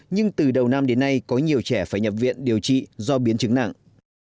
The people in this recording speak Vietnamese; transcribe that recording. nhưng từ đầu năm đến nay có nhiều trẻ phải nhập viện điều trị do biến chứng nặng